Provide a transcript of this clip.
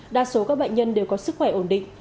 đa số các bệnh nhân đều có sức khỏe ổn định